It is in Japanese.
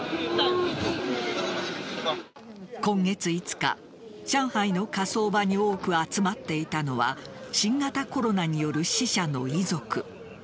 今月５日、上海の火葬場に多く集まっていたのは新型コロナによる死者の遺族。